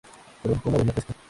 Trabajó como bailarina clásica.